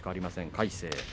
魁聖。